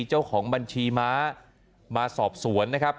เจ้าของบัญชีม้ามาสอบสวนนะครับ